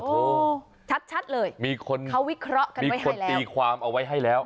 โอ้ชัดเลยมีคนวิเคราะห์กันไว้ให้แล้วมีคนตีความเอาไว้ให้แล้ว